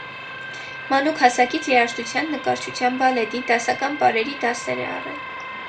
Մանուկ հասակից երաժշտության, նկարչության, բալետի, դասական պարերի դասեր է առել։